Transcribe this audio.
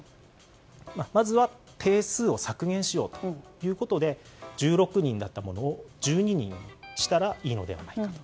まず、定数を削減しようということで１６人だったものを１２人にしたらいいのではないかと。